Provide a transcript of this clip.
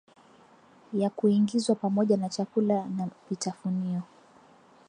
ya kuingizwa pamoja na chakula na vitafunio